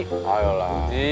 kita kan brother saudara